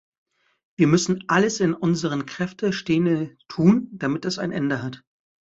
Wir müssen alles in unseren Kräfte Stehende tun, damit das ein Ende hat.